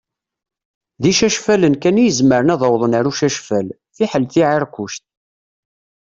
D icacfalen kan i izemren ad awḍen ar ucacfal, fiḥel tiεiṛkuct.